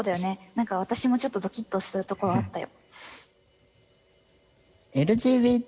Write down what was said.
何か私もちょっとどきっとしたとこはあったよ。